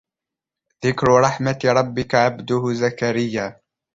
ذكر رحمت ربك عبده زكريا